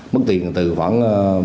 mức tiền từ khoảng